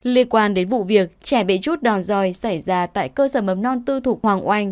liên quan đến vụ việc trẻ bị chút đòn roi xảy ra tại cơ sở mầm non tư thuộc hoàng anh